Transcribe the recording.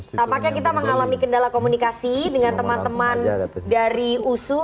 tampaknya kita mengalami kendala komunikasi dengan teman teman dari usu